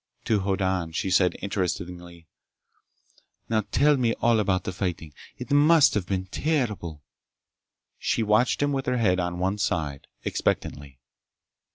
To Hoddan she said interestedly, "Now, tell me all about the fighting. It must have been terrible!" She watched him with her head on one side, expectantly.